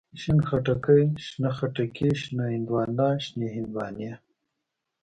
شين خټکی، شنه خټکي، شنه هندواڼه، شنې هندواڼی.